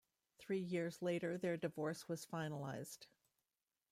Three years later, their divorce was finalized.